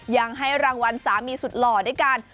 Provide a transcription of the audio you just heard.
ยังให้รางวัลสามีสุดหล่อด้วยกัน